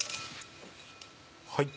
はい。